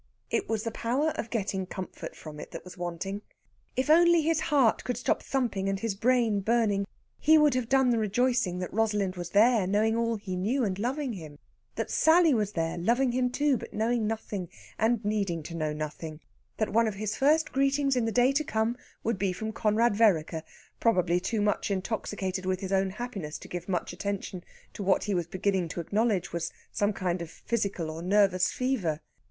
It was the power of getting comfort from it that was wanting. If only his heart could stop thumping and his brain burning, he would have done the rejoicing that Rosalind was there, knowing all he knew, and loving him; that Sally was there, loving him too, but knowing nothing, and needing to know nothing; that one of his first greetings in the day to come would be from Conrad Vereker, probably too much intoxicated with his own happiness to give much attention to what he was beginning to acknowledge was some kind of physical or nervous fever.